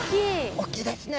大きいですね。